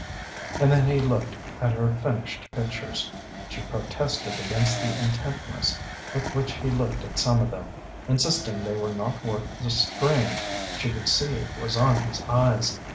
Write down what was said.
And then he looked at her finished pictures; she protested against the intentness with which he looked at some of them, insisting they were not worth the strain she could see it was on his eyes.